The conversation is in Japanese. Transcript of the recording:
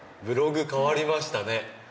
ブログ変わりましたね。